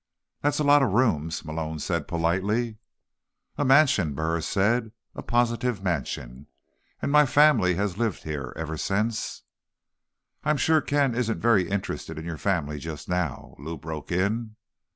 "That's a lot of rooms," Malone said politely. "A mansion," Burris said. "A positive mansion. And my family has lived here ever since—" "I'm sure Ken isn't very interested in your family just now," Lou broke in.